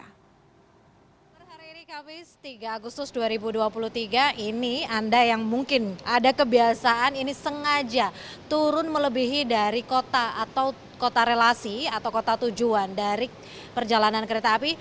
hari ini kamis tiga agustus dua ribu dua puluh tiga ini anda yang mungkin ada kebiasaan ini sengaja turun melebihi dari kota atau kota relasi atau kota tujuan dari perjalanan kereta api